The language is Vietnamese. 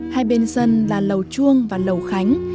hai bên sân là lầu chuông và lầu khánh